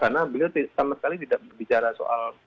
karena beliau sama sekali tidak bicara soal